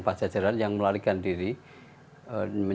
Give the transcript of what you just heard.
beperkuasa dengan tiga puluh sembilan databasehybridiule